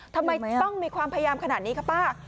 ทำไมต้องมีความพยายามขนาดนี้คะป้า